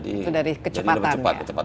itu dari kecepatannya